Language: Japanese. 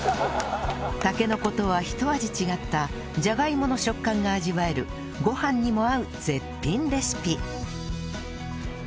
タケノコとはひと味違ったじゃがいもの食感が味わえるご飯にも合う絶品レシピ